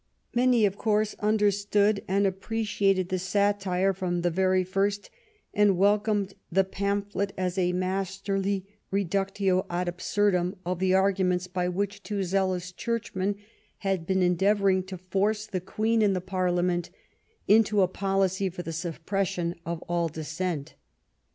Many, of course, understood and ap preciated the satire from the very first, and welcomed the pamphlet as a masterly reductio ad absurdum of the arguments by which too zealous churchmen had been endeavoring to force the Queen and the Parlia ment into a policy for the suppression of all dissent.